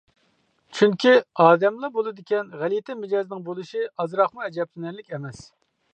چۈنكى، ئادەملا بولىدىكەن، غەلىتە مىجەزنىڭ بولۇشى ئازراقمۇ ئەجەبلىنەرلىك ئەمەس.